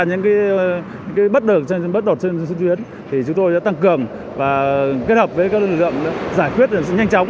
những cái bất đợt trên dịp tết thì chúng tôi đã tăng cường và kết hợp với các lực lượng giải quyết nhanh chóng